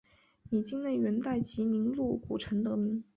以境内元代集宁路古城得名。